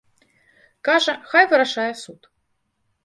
Кажа, хай вырашае суд.